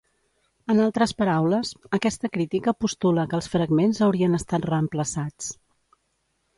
En altres paraules, aquesta crítica postula que els fragments haurien estat reemplaçats.